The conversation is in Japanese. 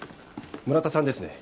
村田さんですね？